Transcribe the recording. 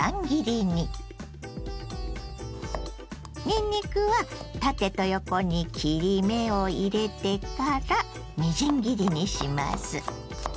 にんにくは縦と横に切り目を入れてからみじん切りにします。